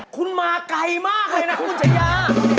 คุณมาไกลมากเลยนะคุณชายา